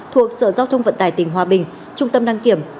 thuộc sở giao thông vận tải tp hcm trung tâm đăng kiểm